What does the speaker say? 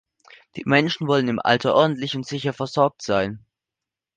Die Menschen wollen im Alter ordentlich und sicher versorgt sein.